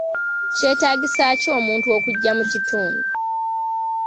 Kyetaagisa ki omuntu okugya mu kitundu?